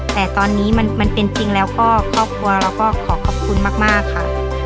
แต่ตอนนี้มันเป็นจริงแล้วก็ครอบครัวเราก็ขอขอบคุณมากค่ะ